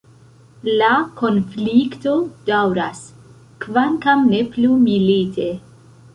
La konflikto daŭras, kvankam ne plu milite.